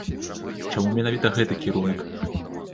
Чаму менавіта гэты кірунак?